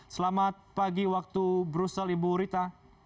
selamat pagi waktu brussel ibu rita